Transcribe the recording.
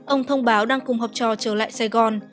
ông thông báo đang cùng học trò trở lại sài gòn